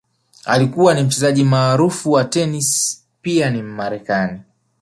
Alikuwa ni Mchezaji maarufu wa tenisi pia ni Mmarekani